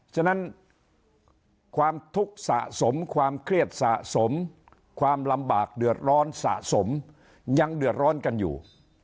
ฉะนั้นความทุกข์สะสมความเครียดสะสมความลำบากเดือดร้อนสะสมยังเดือดร้อนกันอยู่